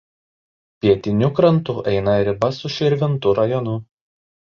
Pietiniu krantu eina riba su Širvintų rajonu.